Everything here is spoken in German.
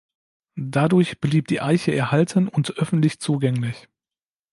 Dadurch blieb die Eiche erhalten und öffentlich zugänglich.